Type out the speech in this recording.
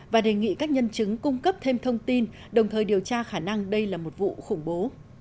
và đề nghị các nhân chứng cung cấp thêm thông tin đồng thời điều tra khả năng đây là một vụ khủng bố